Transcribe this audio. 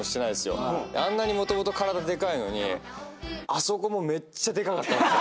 「あんなにもともと体でかいのにあそこもめっちゃでかかったんです」